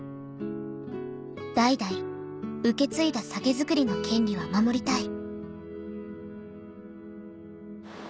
「代々受け継いだ酒造りの権利は守りたい」